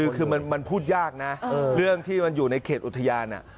คือมันพูดยากนะเรื่องที่มันอยู่ในเขตอุทยาน